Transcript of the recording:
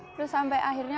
terus sampai akhirnya